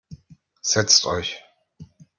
Setzt euch.